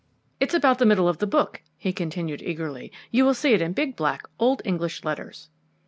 "It is about the middle of the book," he continued eagerly. "You will see it in big, black, old English letters."